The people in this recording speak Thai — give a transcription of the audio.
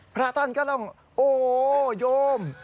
พระท่านก็ต้องโอ้โยม